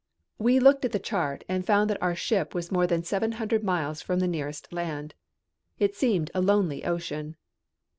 We looked at the chart and found that our ship was more than seven hundred miles from the nearest land. It seemed a lonely ocean.